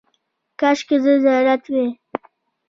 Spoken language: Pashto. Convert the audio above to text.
– کاشکې زه زیارت وای.